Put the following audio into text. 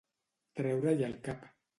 Treure-hi el cap.